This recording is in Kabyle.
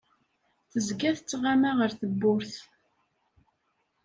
Tezga tettɣama ar tewwurt.